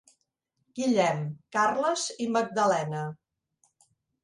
Guillem, Carles i Magdalena.